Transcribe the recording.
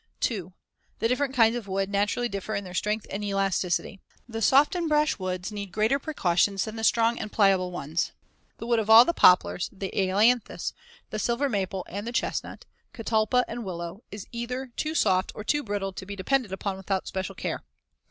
2. The different kinds of wood naturally differ in their strength and elasticity. The soft and brash woods need greater precautions than the strong and pliable ones. The wood of all the poplars, the ailanthus, the silver maple and the chestnut, catalpa and willow is either too soft or too brittle to be depended upon without special care.